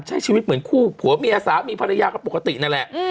ใช้ชีวิตเหมือนคู่ผัวเมียสามีภรรยาก็ปกตินั่นแหละ